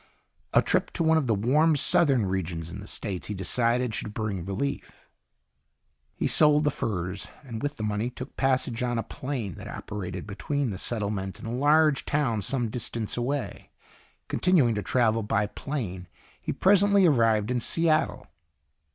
A trip to one of the warm, southern regions in the States, he decided, should bring relief. He sold the furs and with the money took passage on a plane that operated between the settlement and a large town some distance away. Continuing to travel by plane, he presently arrived in Seattle.